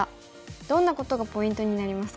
どんなことがポイントになりますか？